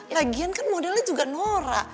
lagian kan modelnya juga nora